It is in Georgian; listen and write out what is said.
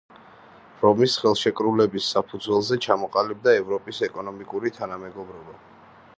რომის ხელშეკრულების საფუძველზე ჩამოყალიბდა ევროპის ეკონომიკური თანამეგობრობა.